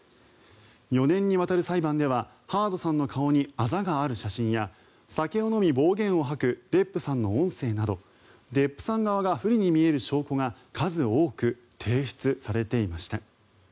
４年にわたる裁判ではハードさんの顔にあざがある写真や酒を飲み、暴言を吐くデップさんの音声などデップさん側が不利に見える証拠が数多く提出されていました。